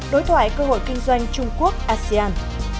đối thoại cơ hội kinh doanh trung quốc asean